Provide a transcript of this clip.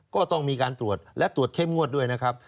ก็ต้องมีการตรวจและตรวจเข้มงวดด้วยนะครับ